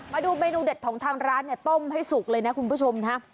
มาดูเมนูเด็ดของทางร้านเนี่ยต้มให้สุกเลยนะคุณผู้ชมนะ